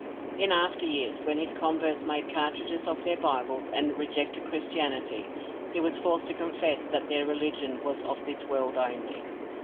In after years, when his converts made cartridges of their Bibles and rejected Christianity, he was forced to confess that their religion was of this world only.